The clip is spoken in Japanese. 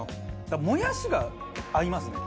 もやしが合いますね